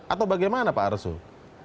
atau bagaimana pak arsul